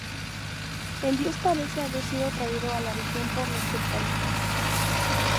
El dios parece a haber sido traído a la región por los heftalitas.